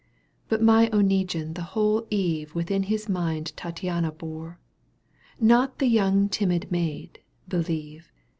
But my Oneguine the whole eve ^ Within his mind Tattiana bore. Not the young timid maid, believe.